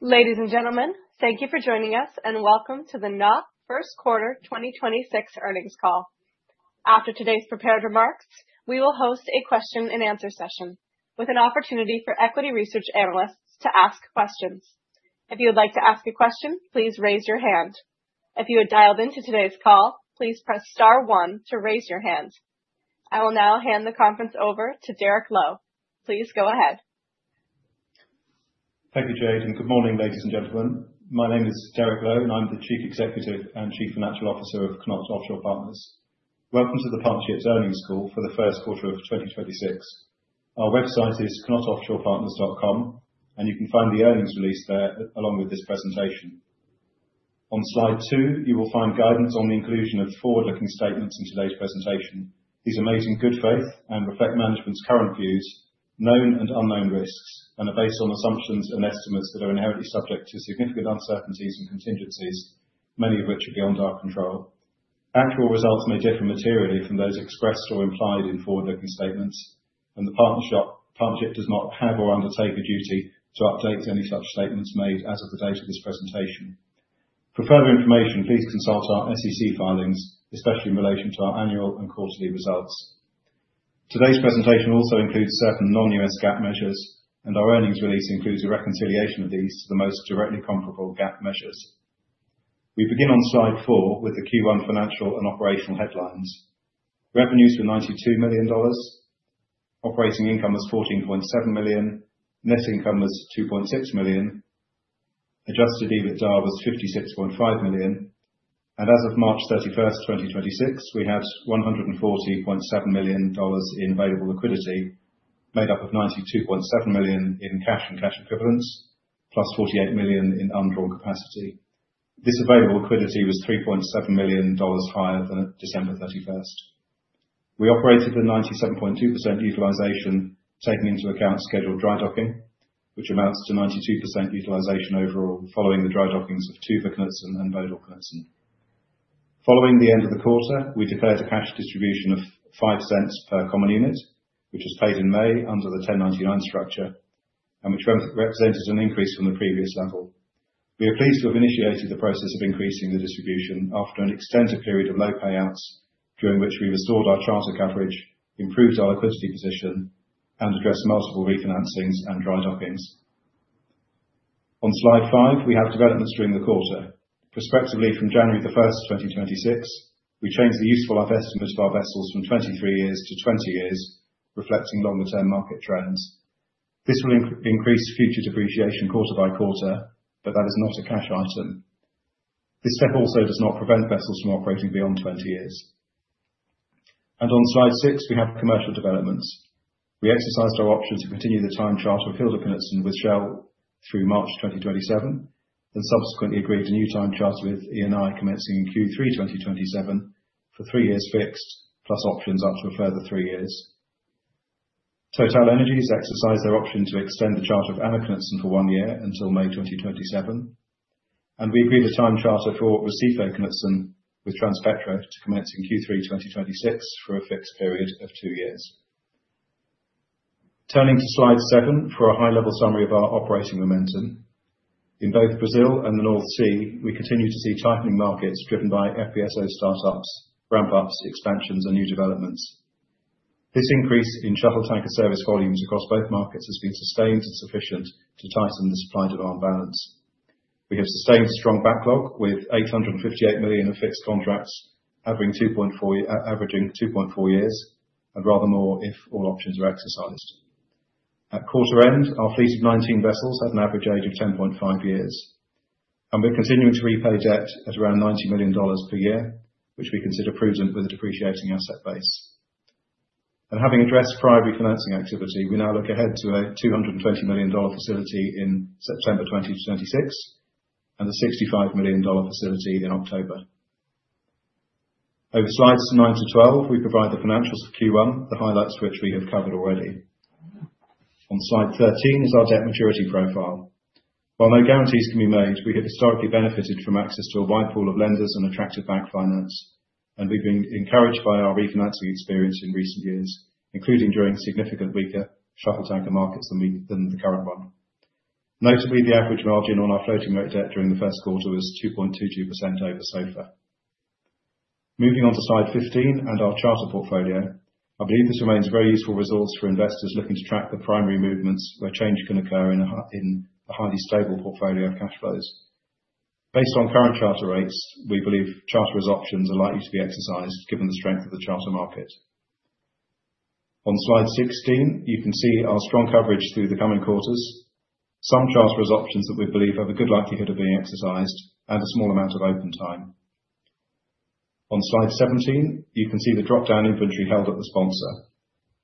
Ladies and gentlemen, thank you for joining us and welcome to the KNOP first quarter 2026 earnings call. After today's prepared remarks, we will host a question-and-answer session with an opportunity for equity research analysts to ask questions. If you would like to ask a question, please raise your hand. If you have dialed into today's call, please press star one to raise your hand. I will now hand the conference over to Derek Lowe. Please go ahead. Thank you, Jade. Good morning, ladies and gentlemen. My name is Derek Lowe, and I'm the Chief Executive and Chief Financial Officer of KNOT Offshore Partners. Welcome to the partnership's earnings call for the first quarter of 2026. Our website is knotoffshorepartners.com, and you can find the earnings release there along with this presentation. On slide two, you will find guidance on the inclusion of forward-looking statements in today's presentation. These are made in good faith and reflect management's current views, known and unknown risks, and are based on assumptions and estimates that are inherently subject to significant uncertainties and contingencies, many of which are beyond our control. Actual results may differ materially from those expressed or implied in forward-looking statements, and the partnership does not have or undertake a duty to update any such statements made as of the date of this presentation. For further information, please consult our SEC filings, especially in relation to our annual and quarterly results. Today's presentation also includes certain non-U.S. GAAP measures. Our earnings release includes a reconciliation of these to the most directly comparable GAAP measures. We begin on slide four with the Q1 financial and operational headlines. Revenues were $92 million. Operating income was $14.7 million. Net income was $2.6 million. Adjusted EBITDA was $56.5 million. As of March 31, 2026, we had $140.7 million in available liquidity, made up of $92.7 million in cash and cash equivalents, plus $48 million in undrawn capacity. This available liquidity was $3.7 million higher than December 31. We operated a 97.2% utilization, taking into account scheduled dry docking, which amounts to 92% utilization overall following the dry dockings of Tuva Knutsen and Bodil Knutsen. Following the end of the quarter, we declared a cash distribution of $0.05 per common unit, which was paid in May under the 1099 structure, and which represented an increase from the previous level. We are pleased to have initiated the process of increasing the distribution after an extensive period of low payouts, during which we restored our charter coverage, improved our liquidity position, and addressed multiple refinancings and dry dockings. On slide five, we have developments during the quarter. Prospectively from January the 1st, 2026, we changed the useful life estimate of our vessels from 23 years to 20 years, reflecting longer-term market trends. This will increase future depreciation quarter by quarter, but that is not a cash item. This step also does not prevent vessels from operating beyond 20 years. On slide six, we have commercial developments. We exercised our option to continue the time charter of Hilda Knutsen with Shell through March 2027, and subsequently agreed a new time charter with Eni commencing in Q3 2027 for three years fixed, plus options up to a further three years. TotalEnergies exercised their option to extend the charter of Anna Knutsen for one year until May 2027, and we agreed a time charter for Raquel Knutsen with Transpetro commencing Q3 2026 for a fixed period of two years. Turning to slide seven for a high-level summary of our operating momentum. In both Brazil and the North Sea, we continue to see tightening markets driven by FPSO startups, ramp-ups, expansions, and new developments. This increase in shuttle tanker service volumes across both markets has been sustained and sufficient to tighten the supply-demand balance. We have sustained a strong backlog with 858 million of fixed contracts averaging 2.4 years, and rather more if all options are exercised. At quarter end, our fleet of 19 vessels had an average age of 10.5 years, and we are continuing to repay debt at around $90 million per year, which we consider prudent with a depreciating asset base. Having addressed prior refinancing activity, we now look ahead to a $220 million facility in September 2026 and a $65 million facility in October. Over slides nine to 12, we provide the financials for Q1, the highlights which we have covered already. On slide 13 is our debt maturity profile. While no guarantees can be made, we have historically benefited from access to a wide pool of lenders and attractive bank finance, and we've been encouraged by our refinancing experience in recent years, including during significantly weaker shuttle tanker markets than the current one. Notably, the average margin on our floating rate debt during the first quarter was 2.22% over SOFR. Moving on to slide 15 and our charter portfolio. I believe this remains a very useful resource for investors looking to track the primary movements where change can occur in a highly stable portfolio of cash flows. Based on current charter rates, we believe charterers' options are likely to be exercised given the strength of the charter market. On slide 16, you can see our strong coverage through the coming quarters. Some charterers' options that we believe have a good likelihood of being exercised and a small amount of open time. On slide 17, you can see the drop-down inventory held at the sponsor.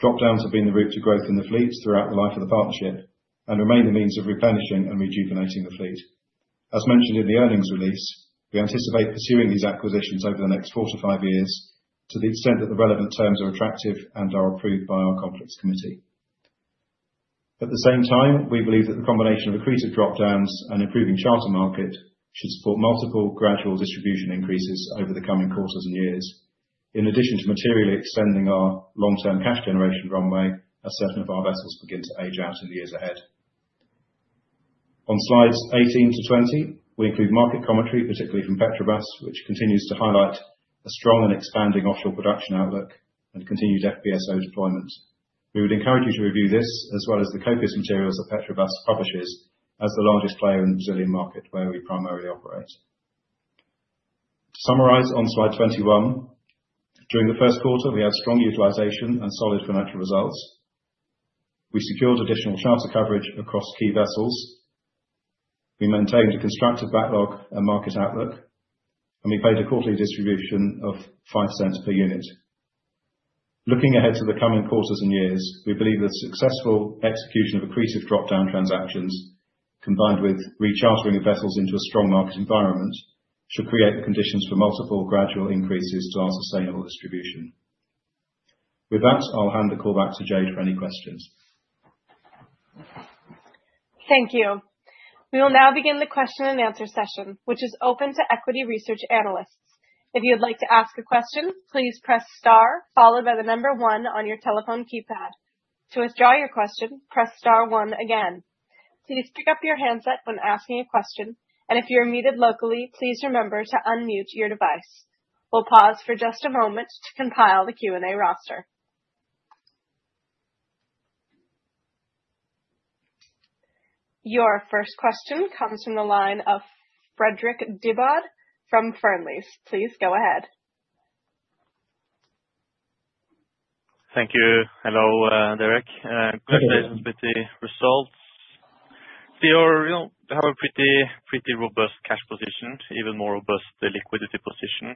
Drop-downs have been the route to growth in the fleet throughout the life of the partnership and remain the means of replenishing and rejuvenating the fleet. As mentioned in the earnings release, we anticipate pursuing these acquisitions over the next four to five years to the extent that the relevant terms are attractive and are approved by our conflicts committee. At the same time, we believe that the combination of accretive drop-downs and improving charter market should support multiple gradual distribution increases over the coming quarters and years, in addition to materially extending our long-term cash generation runway, as certain of our vessels begin to age out in the years ahead. On slides 18 to 20, we include market commentary, particularly from Petrobras, which continues to highlight a strong and expanding offshore production outlook and continued FPSO deployment. We would encourage you to review this as well as the copious materials that Petrobras publishes as the largest player in the Brazilian market, where we primarily operate. To summarize on slide 21, during the first quarter, we had strong utilization and solid financial results. We secured additional charter coverage across key vessels. We maintained a constructive backlog and market outlook, and we paid a quarterly distribution of $0.05 per unit. Looking ahead to the coming quarters and years, we believe the successful execution of accretive drop-down transactions, combined with rechartering vessels into a strong market environment, should create the conditions for multiple gradual increases to our sustainable distribution. With that, I'll hand the call back to Jade for any questions. Thank you. We will now begin the question-and-answer session, which is open to equity research analysts. If you'd like to ask a question, please press star followed by the number one on your telephone keypad. To withdraw your question, press star one again. Please pick up your handset when asking a question, and if you're muted locally, please remember to unmute your device. We'll pause for just a moment to compile the Q&A roster. Your first question comes from the line of Fredrik Dybwad from Fearnley Securities. Please go ahead. Thank you. Hello, Derek. Hello. Congratulations with the results. You have a pretty robust cash position, even more robust, the liquidity position.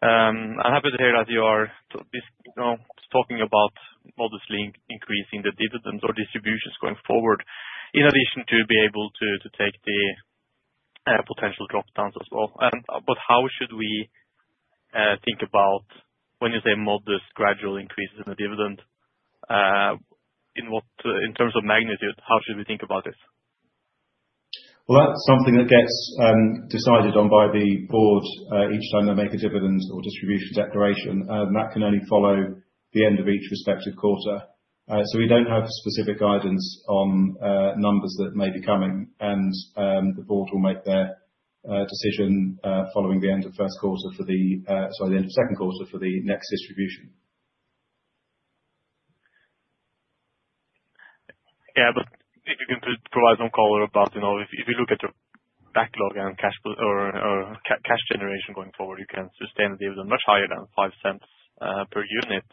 I'm happy to hear that you are talking about modestly increasing the dividends or distributions going forward, in addition to be able to take the potential drop-downs as well. How should we think about when you say modest gradual increases in the dividend, in terms of magnitude, how should we think about this? Well, that's something that gets decided on by the board each time they make a dividend or distribution declaration. That can only follow the end of each respective quarter. We don't have specific guidance on numbers that may be coming. The board will make their decision following the end of second quarter for the next distribution. Yeah, if you can provide some color about if you look at your backlog or cash generation going forward, you can sustain a dividend much higher than $0.05 per unit.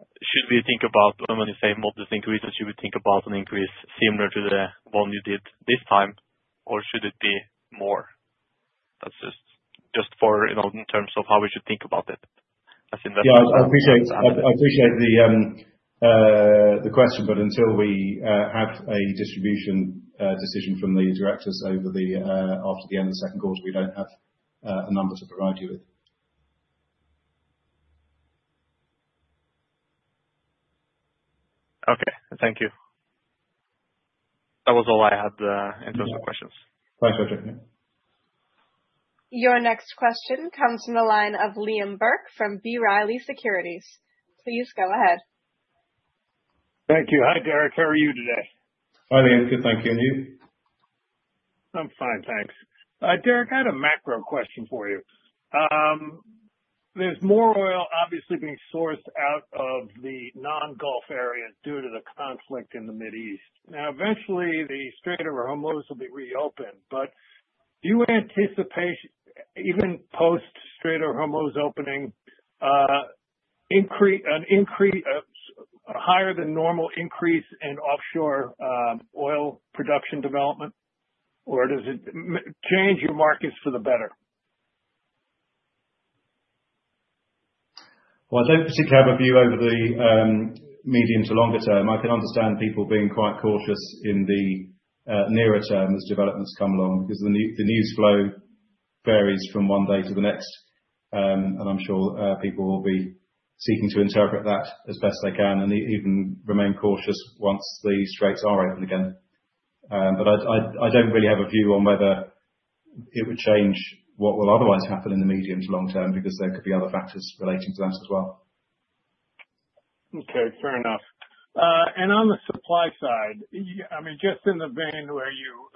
Should we think about when you say modest increases, should we think about an increase similar to the one you did this time, or should it be more? That's just for, in terms of how we should think about it as investors. Yeah, I appreciate the question, but until we have a distribution decision from the directors after the end of the second quarter, we don't have a number to provide you with. Okay. Thank you. That was all I had in terms of questions. My pleasure. Your next question comes from the line of Liam Burke from B. Riley Securities. Please go ahead. Thank you. Hi, Derek. How are you today? Hi, Liam. Good, thank you. You? I'm fine, thanks. Derek, I had a macro question for you. There's more oil obviously being sourced out of the non-Gulf area due to the conflict in the Mid East. Now, eventually, the Strait of Hormuz will be reopened, but do you anticipate even post Strait of Hormuz opening, a higher than normal increase in offshore oil production development? Does it change your markets for the better? Well, I don't particularly have a view over the medium to longer term. I can understand people being quite cautious in the nearer term as developments come along because the news flow varies from one day to the next, and I'm sure people will be seeking to interpret that as best they can and even remain cautious once the Straits are open again. I don't really have a view on whether it would change what will otherwise happen in the medium to long term, because there could be other factors relating to that as well. Okay, fair enough. On the supply side, just in the vein where you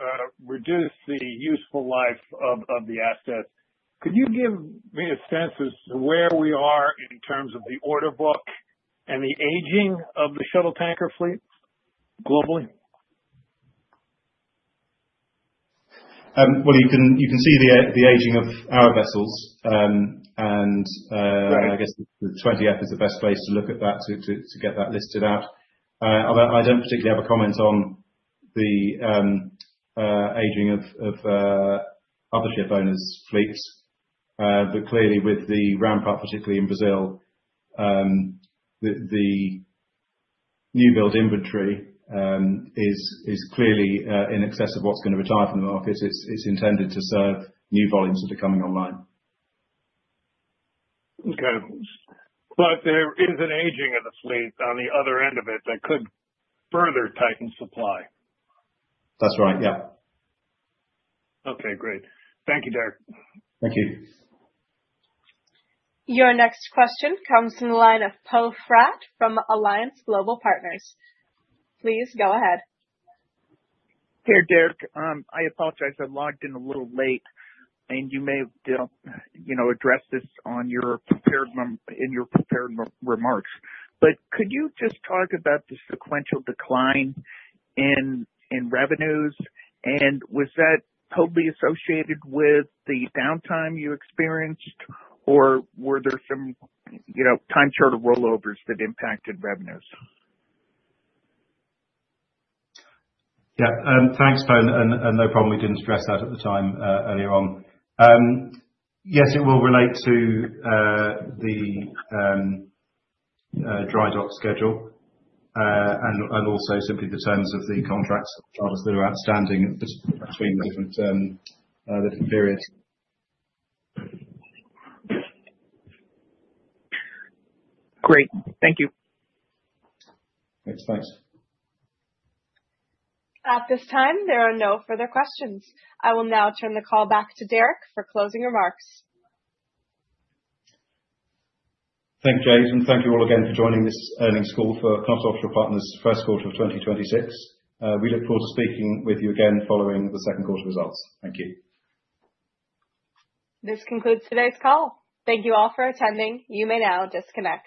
reduce the useful life of the assets, could you give me a sense as to where we are in terms of the order book and the aging of the shuttle tanker fleet globally? Well, you can see the aging of our vessels. Right. I guess the 20-F is the best place to look at that to get that listed out. Although I don't particularly have a comment on the aging of other ship owners' fleets. Clearly with the ramp up, particularly in Brazil, the new build inventory is clearly in excess of what's going to retire from the market. It's intended to serve new volumes that are coming online. Okay. There is an aging of the fleet on the other end of it that could further tighten supply. That's right. Yeah. Okay, great. Thank you, Derek. Thank you. Your next question comes from the line of Poe Fratt from Alliance Global Partners. Please go ahead. Hey, Derek, I apologize, I logged in a little late, and you may have addressed this in your prepared remarks. Could you just talk about the sequential decline in revenues, and was that totally associated with the downtime you experienced, or were there some time charter rollovers that impacted revenues? Yeah. Thanks, Poe, and no problem, we didn't address that at the time earlier on. Yes, it will relate to the dry dock schedule, and also simply the terms of the contracts that are outstanding between the different periods. Great. Thank you. Thanks. At this time, there are no further questions. I will now turn the call back to Derek for closing remarks. Thank you, Jade. Thank you all again for joining this earnings call for KNOT Offshore Partners' first quarter of 2026. We look forward to speaking with you again following the second quarter results. Thank you. This concludes today's call. Thank you all for attending. You may now disconnect.